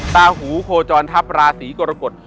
ตาหูโคจรทัพราศีกรกฎ